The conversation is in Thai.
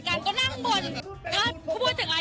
อย่างทำของตัวเองค่ะ